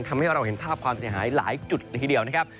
ทำให้เราเห็นภาพความเสียหายหลายจุดเลยทีเดียวนะครับ